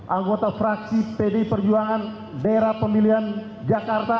anggota fraksi pd perjuangan daerah pemilihan jakarta